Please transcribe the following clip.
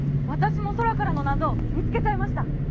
私も空からの謎見つけちゃいました